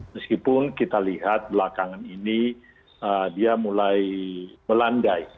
meskipun kita lihat belakangan ini dia mulai melandai